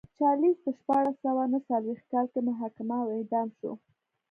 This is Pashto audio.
چارلېز په شپاړس سوه نه څلوېښت کال کې محاکمه او اعدام شو.